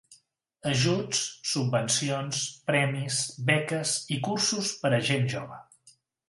Ajuts, subvencions, premis, beques i cursos per a gent jove.